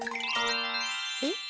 えっ？